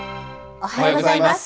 おはようございます。